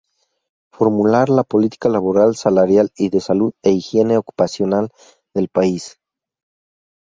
Formular la política laboral, salarial y de salud e higiene ocupacional del país.